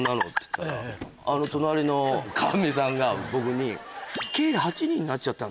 あの隣のかみさんが僕に。